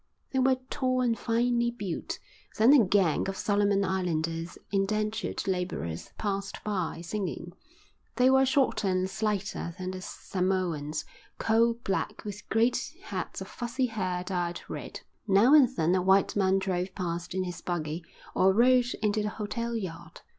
They were tall and finely built. Then a gang of Solomon Islanders, indentured labourers, passed by, singing; they were shorter and slighter than the Samoans, coal black with great heads of fuzzy hair dyed red. Now and then a white man drove past in his buggy or rode into the hotel yard.